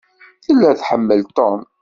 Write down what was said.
Tella tḥemmel Tom.